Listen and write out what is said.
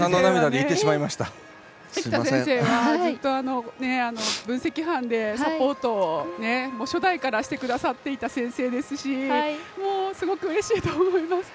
生田先生は分析班でサポートを初代からしてくださってた先生ですのでもうすごくうれしいと思います。